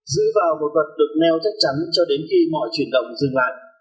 giữ vào một vật được neo chắc chắn cho đến khi mọi chuyển động dừng lại